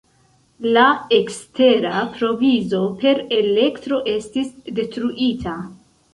La ekstera provizo per elektro estis detruita.